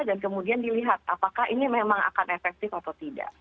dan kemudian dilihat apakah ini memang akan efektif atau tidak